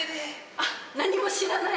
あっ何も知らない？